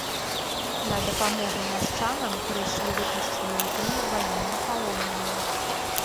На дапамогу мяшчанам прыйшлі выпушчаныя імі ваеннапалонныя.